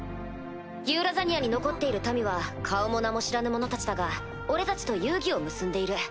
ユーラザニアに残っている民は顔も名も知らぬ者たちだが俺たちと友誼を結んでいる。